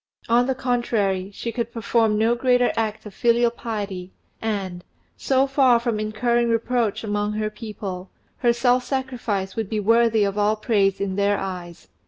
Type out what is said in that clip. On the contrary, she could perform no greater act of filial piety, and, so far from incurring reproach among her people, her self sacrifice would be worthy of all praise in their eyes.